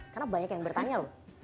karena banyak yang bertanya